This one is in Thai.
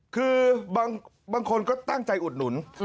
คือบางคนก็ตั้งใจอุดหนุน